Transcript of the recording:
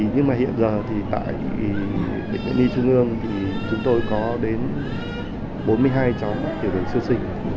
nhưng mà hiện giờ tại bệnh viện nhi trung ương thì chúng tôi có đến bốn mươi hai cháu mắc tiểu đường sơ sinh